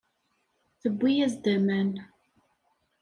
Tewwi-as-d aman.